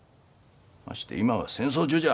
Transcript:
まして今は戦争中じゃ。